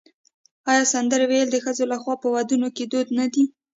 آیا سندرې ویل د ښځو لخوا په ودونو کې دود نه دی؟